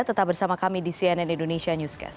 tetap bersama kami di cnn indonesia newscast